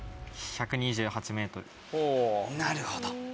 なるほど。